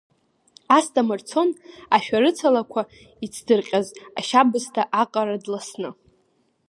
Асҭамыр дцон ашәарыцалақәа ицдырҟьаз ашьабсҭа аҟара дласны.